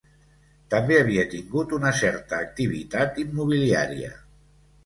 També havia tingut una certa activitat immobiliària.